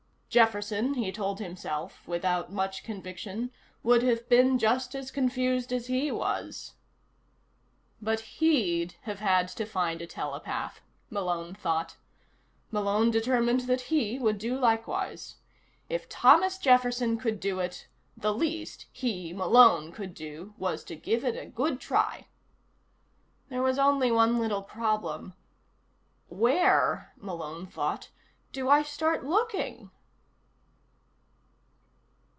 Jefferson, he told himself without much conviction, would have been just as confused as he was. But he'd have had to find a telepath, Malone thought. Malone determined that he would do likewise, If Thomas Jefferson could do it, the least he, Malone, could do was to give it a good try. There was only one little problem: Where, Malone thought, _do I start looking?